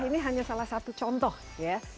ini hanya salah satu contoh ya